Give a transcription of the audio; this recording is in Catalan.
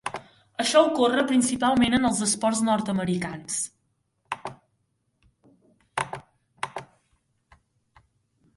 Això ocorre principalment en els esports nord-americans.